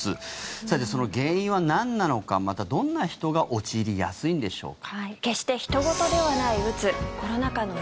さて、その原因はなんなのかまた、どんな人が陥りやすいんでしょうか。